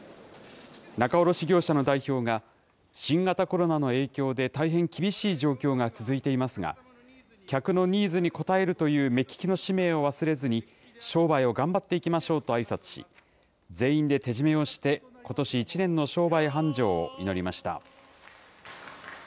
仲卸業者の代表が、新型コロナの影響で、大変厳しい状況が続いていますが、客のニーズに応えるという目利きの使命を忘れずに、商売を頑張っていきましょうとあいさつし、全員で手締めをして、ことし一年の商売繁盛を祈りました。